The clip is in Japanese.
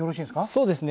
そうですね。